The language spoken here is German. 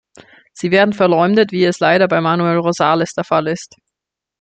Sie werden verleumdet, wie es leider bei Manuel Rosales der Fall ist.